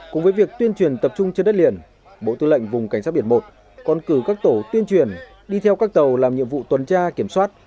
cùng với việc tuyên truyền tập trung trên đất liền bộ tư lệnh vùng cảnh sát biển một còn cử các tổ tuyên truyền đi theo các tàu làm nhiệm vụ tuần tra kiểm soát